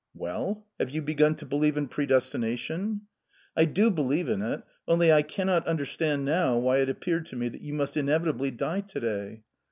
"Well? Have you begun to believe in predestination?" "I do believe in it; only I cannot understand now why it appeared to me that you must inevitably die to day!"